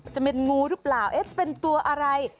จะเป็นงูหรือเปล่าเอ๊ะจะเป็นตัวอะไร